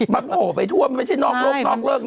มันโผล่ไปทั่วไม่ใช่นอกเริ่มนอก